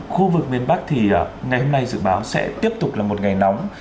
khu vực miền bắc thì ngày hôm nay dự báo sẽ tiếp tục là một ngày nóng